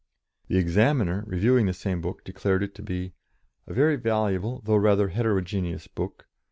The Examiner, reviewing the same book, declared it to be "A very valuable, though rather heterogeneous book....